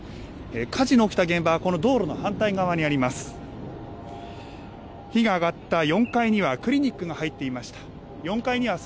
火事の起きた現場はこの道路の反対側にあります。